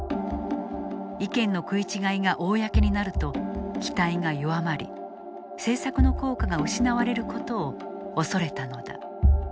意見の食い違いが公になると期待が弱まり政策の効果が失われることを恐れたのだ。